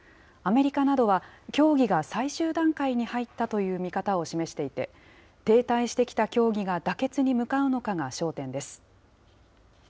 アメリカなどは協議が最終段階に入ったという見方を示していて、停滞してきた協議が妥結に向かうのかが焦点です。